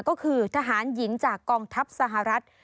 ก็คือทหารหญิงจากกองทัพสหรัฐ